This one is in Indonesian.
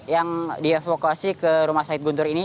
yang dievokasi ke rumah sakit guntur ini